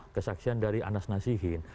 ada saksian dari anas nasihin